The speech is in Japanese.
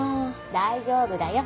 大丈夫だよ。